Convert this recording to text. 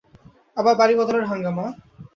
আবার বাড়ি বদলের হাঙ্গামা?